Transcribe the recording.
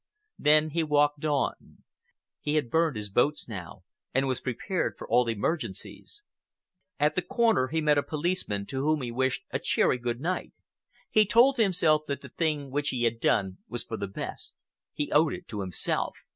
Then he walked on. He had burned his boats now and was prepared for all emergencies. At the corner he met a policeman, to whom he wished a cheery good night. He told himself that the thing which he had done was for the best. He owed it to himself.